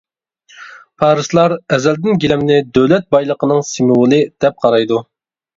پارسلار ئەزەلدىن گىلەمنى دۆلەت بايلىقىنىڭ سىمۋولى دەپ قارايدۇ.